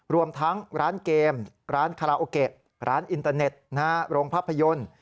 รวมทั้งร้านเกมร้านคาราโอเกะร้านอินเตอร์เน็ตโรงภาพยนตร์